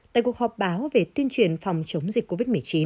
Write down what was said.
tại cuộc họp báo về tuyên truyền phòng chống dịch covid một mươi chín